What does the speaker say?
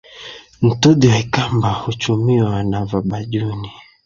Ntudhi wa ikamba huchumiwa na vabajuni.